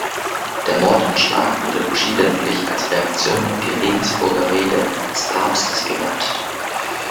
Der Mordanschlag wurde verschiedentlich als Reaktion auf die Regensburger Rede des Papstes gewertet.